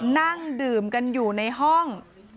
นั่งดื่มกันอยู่ในห้อง